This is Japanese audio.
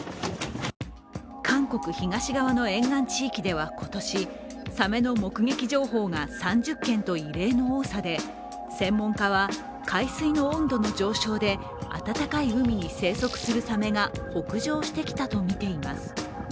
韓国東側の沿岸地域では今年、サメの目撃情報が３０件と異例の多さで専門家は、海水の温度の上昇で暖かい海に生息するサメが北上してきたとみています。